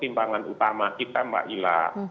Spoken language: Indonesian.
jadi pertimbangan utama kita mbak ila